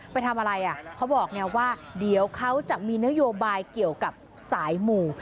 ไปทำอะไรอ่ะเขาบอกไงว่าเดี๋ยวเขาจะมีนโยบายเกี่ยวกับสายหมู่